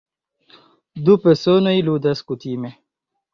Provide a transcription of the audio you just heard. Du personoj ludas kutime.